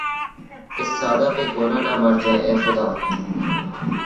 اس سادہ پہ کونہ نہ مر جائے اے خدا